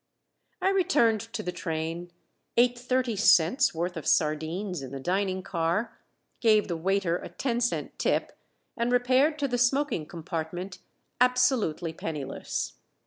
I returned to the train, ate thirty cents' worth of sardines in the dining car, gave the waiter a ten cent tip, and repaired to the smoking compartment absolutely penniless.